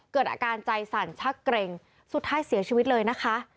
เกิดอาการใจสั่นชักเกร็งสุดท้ายเสียชีวิตเลยนะคะ